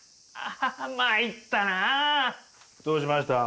どうしました？